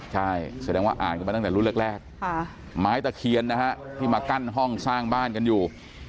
ใช่แสดงว่าอ่านกันมาตั้งแต่รุ่นแรกไม้ตะเคียนนะฮะที่มากั้นห้องสร้างบ้านกันอยู่